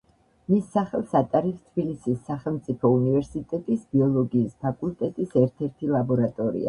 მის სახელს ატარებს თბილისის სახელმწიფო უნივერსიტეტის ბიოლოგიის ფაკულტეტის ერთ-ერთი ლაბორატორია.